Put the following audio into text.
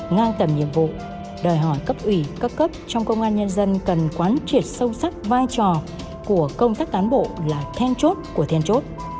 ngang tầm nhiệm vụ đòi hỏi cấp ủy cấp cấp trong công an nhân dân cần quán triệt sâu sắc vai trò của công tác cán bộ là then chốt của then chốt